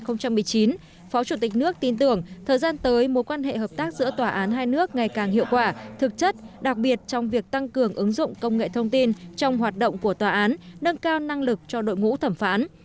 phó chủ tịch nước tin tưởng thời gian tới mối quan hệ hợp tác giữa tòa án hai nước ngày càng hiệu quả thực chất đặc biệt trong việc tăng cường ứng dụng công nghệ thông tin trong hoạt động của tòa án nâng cao năng lực cho đội ngũ thẩm phán